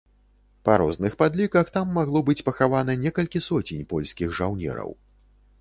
Па розных падліках, там магло быць пахавана некалькі соцень польскіх жаўнераў.